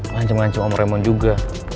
lancam lancam om raymond juga